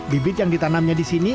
bibit yang ditanamnya di sini